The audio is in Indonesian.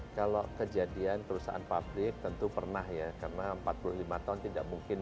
kalau kejadian perusahaan pabrik tentu pernah ya karena empat puluh lima tahun tidak mungkin